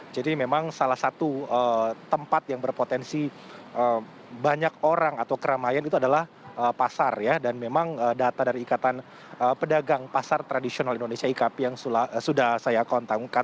jadi memang salah satu tempat yang berpotensi banyak orang atau keramaian itu adalah pasar ya dan memang data dari ikatan pedagang pasar tradisional indonesia ikp yang sudah saya kontangkan